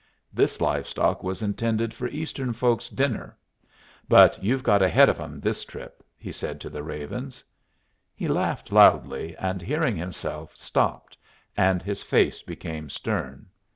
This live stock was intended for Eastern folks' dinner. But you've got ahead of 'em this trip," he said to the ravens. He laughed loudly, and, hearing himself, stopped, and his face became stern.